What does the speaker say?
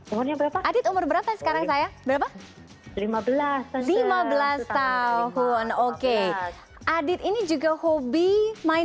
umurnya berapa adit umur berapa sekarang saya berapa lima belas lima belas tahun oke adit ini juga hobi main